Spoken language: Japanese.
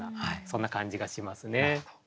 そんな感じがしますね。